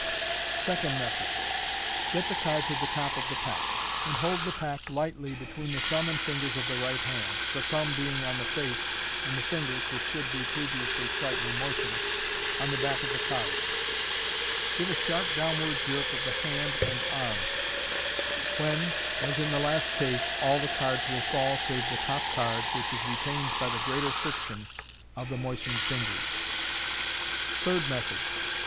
Second Method. — Get the card to the top of the pack, and hold the pack lightly between the thumb and fingers of the right hand, the thumb being on the face, and the fingers (which should be previously slightly moistened) on the back of the cards. (See Fig. 29.) Give a sharp downward jerk of the hand and arm, when, as in the last case, all the cards will fall save the top card, which is re tained by the greater friction of the moistened fingers. Third Method.